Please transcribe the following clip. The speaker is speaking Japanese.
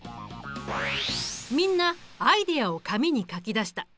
みんなアイデアを紙に書き出した。